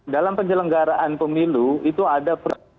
dalam penyelenggaraan pemilu itu ada